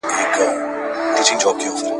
چي پیدا سوه د ماښام ډوډۍ حلاله `